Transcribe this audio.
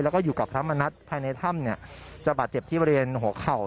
แล้วก็อยู่กับพระมณัฐภายในถ้ำจะบาดเจ็บที่บริเวณหัวเข่า